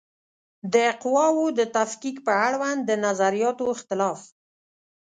د قواوو د تفکیک په اړوند د نظریاتو اختلاف